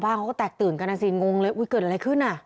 ไขว้อสตริงกันอ่ะซีนงงเลยอุ๊ยเกิดอะไรขึ้นอ่ะ